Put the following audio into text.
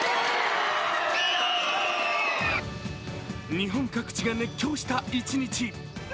日本各地が熱狂した一日。